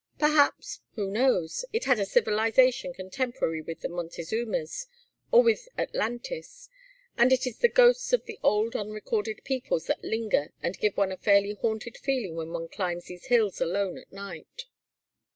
Perhaps who knows? it had a civilization contemporary with the Montezumas or with Atlantis; and it is the ghosts of old unrecorded peoples that linger and give one a fairly haunted feeling when one climbs these hills alone at night."